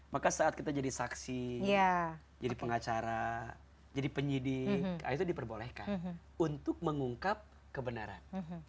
maka saat kita jadi saksi jadi pengacara jadi penyidik itu diperbolehkan untuk mengungkap kebenaran